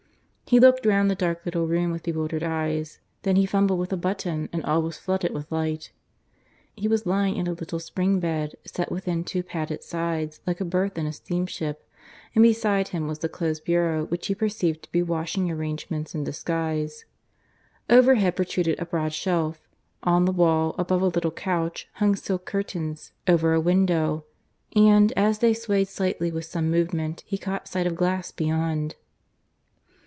He looked round the dark little room with bewildered eyes; then he fumbled with a button, and all was flooded with light. He was lying in a little spring bed, set within two padded sides, like a berth in a steamship. And beside him was the closed bureau which he perceived to be washing arrangements in disguise; overhead protruded a broad shelf; on the wall, above a little couch, hung silk curtains over a window; and, as they swayed slightly with some movement he caught sight of glass beyond.